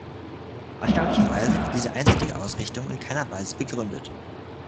Erstaunlicherweise wird diese einseitige Ausrichtung in keiner Weise begründet.